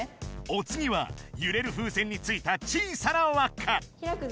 おつぎはゆれる風船についた小さなわっか。